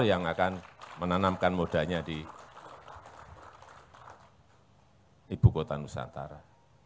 yang akan menanamkan modanya di ibu kota nusantara